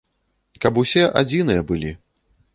Каб усе адзіныя былі.